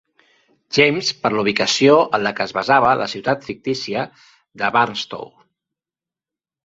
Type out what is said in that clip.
James per la ubicació en la que es basava la ciutat fictícia de Burnstow.